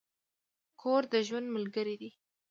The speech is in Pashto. کور د ژوند ملګری دی.